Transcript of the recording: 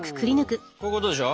こういうことでしょ？